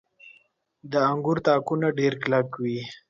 • د انګورو تاکونه ډېر کلک وي.